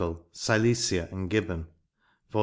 CiUciaf and Gibbonf Vol.